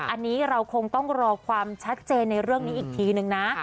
อันนี้เราคงต้องรอความชัดเจนในเรื่องนี้อีกทีนึงนะ